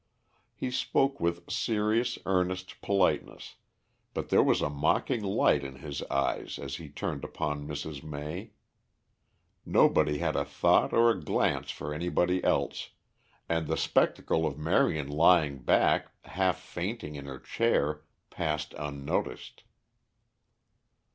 He spoke with serious, earnest, politeness, but there was a mocking light in his eyes as he turned upon Mrs. May. Nobody had a thought or a glance for anybody else, and the spectacle of Marion lying back half fainting in her chair passed unnoticed.